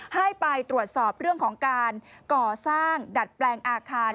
ให้ไปตรวจสอบเรื่องของการก่อสร้างดัดแปลงอาคาร